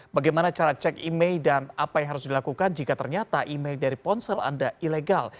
bagaimana cara cek email dan apa yang harus dilakukan jika ternyata email dari ponsel anda ilegal